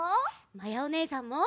まやおねえさんも！